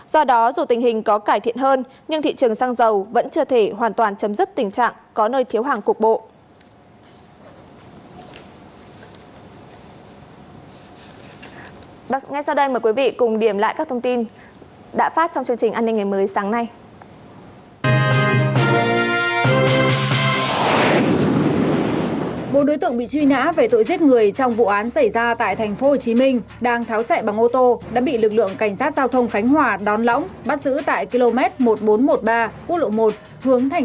do đó dù tình hình có cải thiện hơn nhưng thị trường xăng dầu vẫn chưa thể hoàn toàn chấm dứt tình trạng có nơi thiếu hàng cuộc bộ